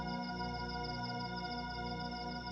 tidak ada apa apa